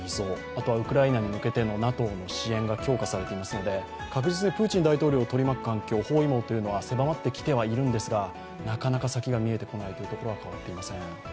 あとはウクライナに向けてのＮＡＴＯの支援が強化されていますので確実にプーチン大統領を取り巻く環境というのは狭まってきてはいるんですが、なかなか先が見えてこないことは変わりません。